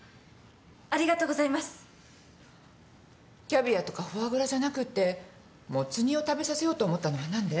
キャビアとかフォアグラじゃなくてもつ煮を食べさせようと思ったのは何で？